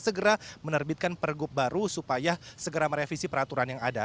segera menerbitkan pergub baru supaya segera merevisi peraturan yang ada